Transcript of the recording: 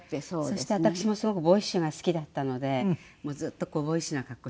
そして私もすごくボーイッシュが好きだったのでずっとボーイッシュな格好してたんですね。